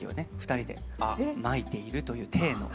２人でまいているという体の。